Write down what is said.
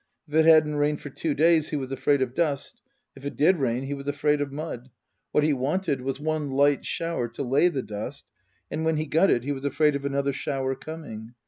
If it hadn't rained for two days he was afraid of dust ; if it did rain he was afraid of mud ; what he wanted was one light shower to lay the dust ; and when he got it he was afraid of another shower coming.